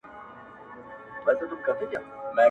نه چا خبره پکښی کړه نه یې ګیلې کولې!